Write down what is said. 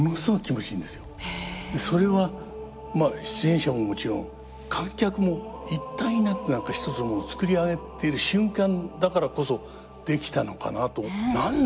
それは出演者ももちろん観客も一体になって何か一つのものを作り上げている瞬間だからこそできたのかなと。